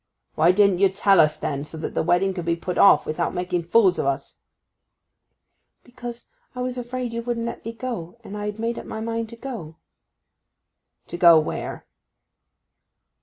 'Why didn't you tell us then, so that the wedding could be put off, without making fools o' us?' 'Because I was afraid you wouldn't let me go, and I had made up my mind to go.' 'To go where?